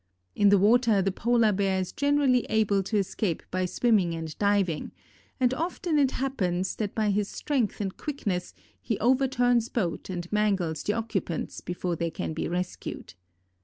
In the water the Polar Bear is generally able to escape by swimming and diving and often it happens that by his strength and quickness he overturns boats and mangles the occupants before they can be rescued.